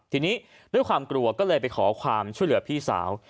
ทีนี้ด้วยความกลัวก็เลยไปขอความช่วยเหลือพี่สาว